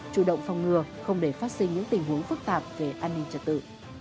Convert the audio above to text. chủ động phòng ngừa không để phát sinh những tình huống phức tạp về an ninh trật tự